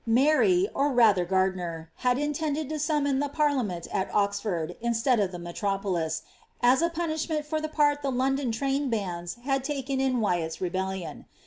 Mary, or rather Gardiner, had intended mon the parliament at Oxford, instead of the metropolis^ as a nent for the part the London trained bands had taken in Wyatt's in.